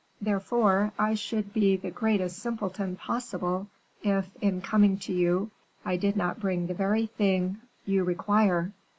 Therefore, I should be the greatest simpleton possible if, in coming to you, I did not bring the very thing you require."